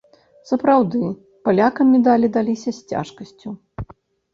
Сапраўды, палякам медалі даліся з цяжкасцю.